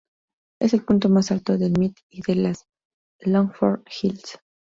Es el punto más alto del Meath y de las Longford Hills.